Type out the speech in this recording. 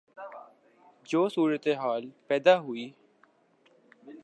جو صورتحال پیدا ہوئی